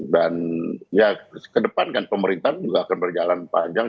ya ke depan kan pemerintahan juga akan berjalan panjang